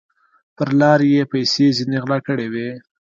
پر لار یې پیسې ځیني غلا کړي وې